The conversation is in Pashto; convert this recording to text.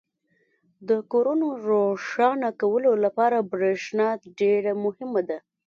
• د کورونو روښانه کولو لپاره برېښنا ډېره مهمه ده.